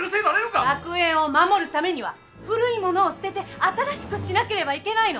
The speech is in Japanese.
学園を守るためには古いものを捨てて新しくしなければいけないの！